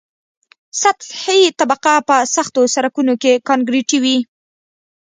سطحي طبقه په سختو سرکونو کې کانکریټي وي